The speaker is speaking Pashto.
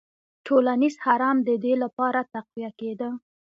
ټولنیز هرم د دې لپاره تقویه کېده.